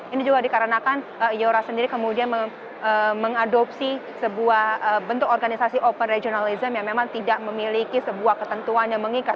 ini juga dikarenakan iora sendiri kemudian mengadopsi sebuah bentuk organisasi open regionalism yang memang tidak memiliki sebuah ketentuan yang mengikat